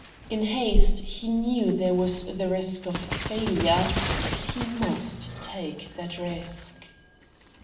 In haste he knew there was the risk of failure, but he must take that risk.